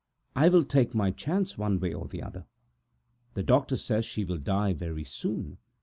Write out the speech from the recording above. I will take my chance, one way or the other. The doctor says she will die very soon.